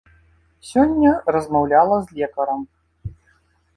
Сёння размаўляла з лекарам.